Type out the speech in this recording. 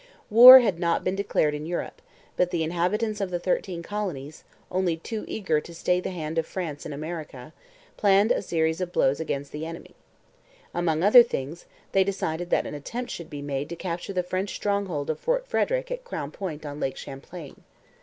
War had not been declared in Europe, but the inhabitants of the Thirteen Colonies, only too eager to stay the hand of France in America, planned a series of blows against the enemy. Among other things, they decided that an attempt should be made to capture the French stronghold of Fort Frederic at Crown Point on Lake Champlain.